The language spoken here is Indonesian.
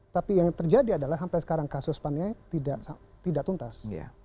tapi yang terjadi adalah sampai sekarang kasus paniai tidak tuntas